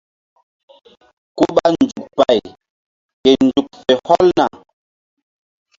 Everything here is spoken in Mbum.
Ku ɓa nzuk pay ke nzuk fe hɔlna.